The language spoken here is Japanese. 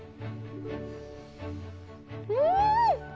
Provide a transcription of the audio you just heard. うん！